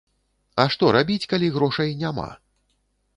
А што рабіць, калі грошай няма?